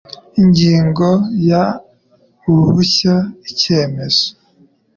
Ingingo ya Uruhushya icyemezo